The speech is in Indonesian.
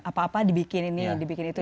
apa apa dibikin ini dibikin itu